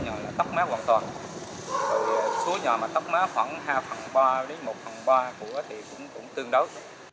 rồi số nhòa mà tóc má khoảng hai phần ba đến một phần ba của nó thì cũng tương đấu